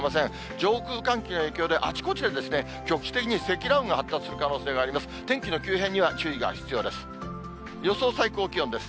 上空寒気の影響で、あちこちで局地的に積乱雲が発達する可能性があります。